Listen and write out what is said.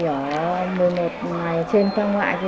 ở một mươi một ngày trên phương ngoại